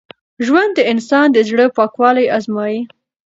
ژوند د انسان د زړه پاکوالی ازمېيي.